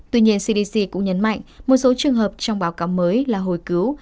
tuy nhiên cdc cũng nhấn mạnh một số trường hợp trong báo cáo mới là hồi cứu